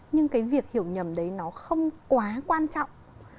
nhưng cái việc hiểu nhầm đấy nó không quá quan trọng